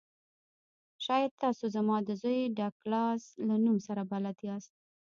شاید تاسو زما د زوی ډګلاس له نوم سره بلد یاست